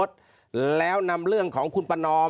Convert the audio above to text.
เจ้าหน้าที่แรงงานของไต้หวันบอก